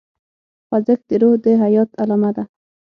خوځښت د روح د حیات علامه ده.